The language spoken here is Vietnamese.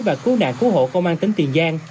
và cứu nạn cứu hộ công an tỉnh tiền giang